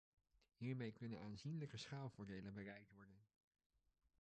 Hiermee kunnen aanzienlijke schaalvoordelen bereikt worden.